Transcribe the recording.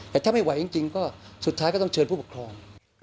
แต่ถ้าไม่ไหวจริงก็สุดท้ายก็ต้องเชิญผู้ปกครอง